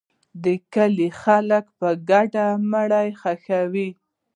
د کلي خلک په ګډه مړی ښخوي.